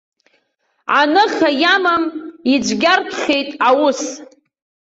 Аныха иамам ицәгьартәхьеит аус.